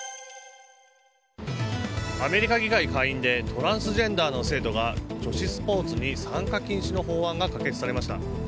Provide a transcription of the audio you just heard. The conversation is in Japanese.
アメリカ議会下院でトランスジェンダーの生徒が女子スポーツに参加禁止の法案が可決されました。